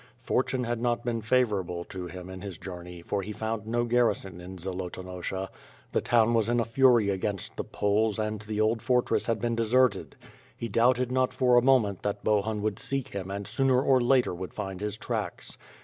Fortune had not been favorable to him in his journey for he found no garrison in Zolotonosha. The town was in a fury against the Poles and the old fortress had been deserted. He doubted not for a moment that Bohun would seek him and sooner or later would find his tracks.